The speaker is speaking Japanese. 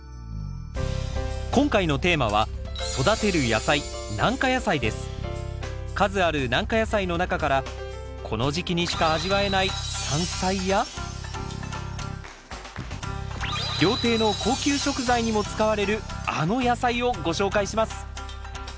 今回のテーマは数ある軟化野菜の中からこの時期にしか味わえない山菜や料亭の高級食材にも使われるあの野菜をご紹介します。